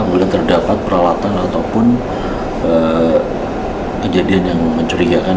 boleh terdapat peralatan ataupun kejadian yang mencurigakan